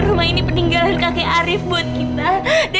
rumah ini peninggalan kakek arief buat kita